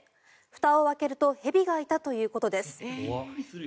ふたを開けると蛇がいたということです。